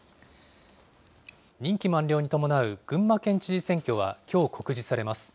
任期満了に伴う群馬県知事選挙はきょう告示されます。